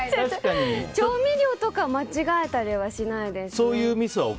調味料とかを間違えたりはしないですね。